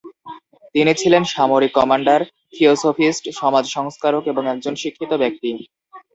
তিনি ছিলেন “সামরিক কমান্ডার, থিওসোফিস্ট, সমাজ সংস্কারক এবং একজন শিক্ষিত ব্যক্তি”।